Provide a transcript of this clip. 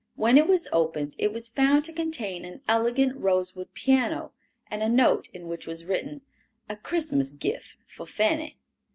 When it was opened it was found to contain an elegant rosewood piano, and a note in which was written, "A Christmas Gift for Fanny."